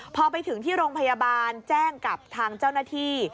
พอไปถึงที่โรงพยาบาลแจ้งกับทางเจ้าหน้าที่